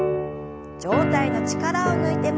上体の力を抜いて前に。